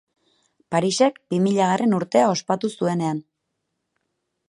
Parisek bi milagarren urtea ospatu zuenean.